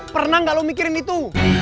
pernah nggak lo mikirin itu